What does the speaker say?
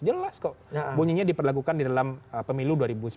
jelas kok bunyinya diperlakukan di dalam pemilu dua ribu sembilan belas